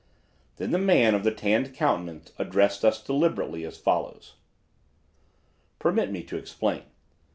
Then the man of the tanned countenance addressed us deliberately as follows: "Permit me to explain.